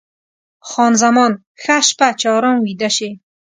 خان زمان: ښه شپه، چې ارام ویده شې.